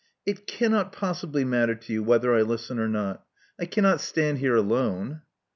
••It cannot possibly matter to you whether I listen or not. I cannot stand here alone."